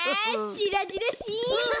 しらじらしい。